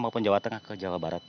maupun jawa tengah ke jawa barat